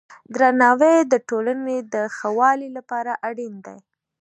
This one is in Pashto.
درناوی د ټولنې د ښه والي لپاره اړین دی.